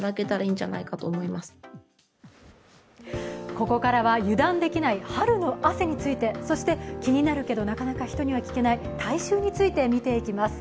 ここからは油断できない春の汗について、そして、気になるけどなかなか人には聞けない体臭について見ていきます。